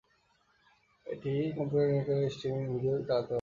এটি কম্পিউটার নেটওয়ার্কের streaming video চালাতে পারে।